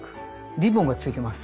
リボンがついてます。